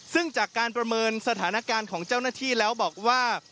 ซึ่งจากการประเมินสถานการณ์ของเจ้าหน้าที่แล้วบอกว่า